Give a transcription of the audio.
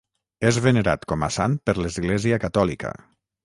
És venerat com a sant per l'Església catòlica.